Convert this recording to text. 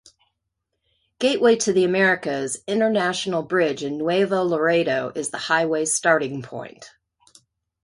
Gateway to the Americas International Bridge in Nuevo Laredo is the highway's starting point.